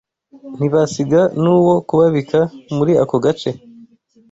Ntibasiga n,uwo kubabika muri ako gace